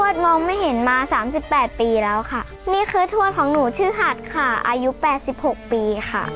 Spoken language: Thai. ซื้อมุ้งใหม่ค่ะ